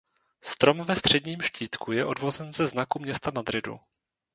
Strom ve středním štítku je odvozen ze znaku města Madridu.